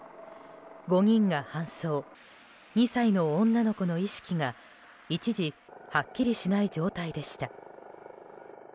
５人が搬送２歳の女の子の意識が一時はっきりしない状態でした。